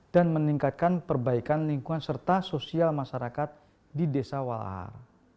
dan meningkatkan perbaikan lingkungan serta sosial masyarakat di desa walahar